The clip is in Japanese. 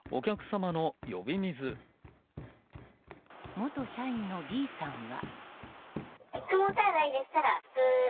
元社員のＢさんは。